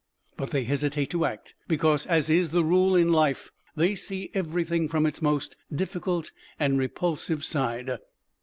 But they hesitate to act because, as is the rule in life, they see everything from its most difficult and repulsive side.